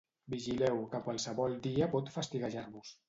Vigileu, que qualsevol dia pot fastiguejar-vos.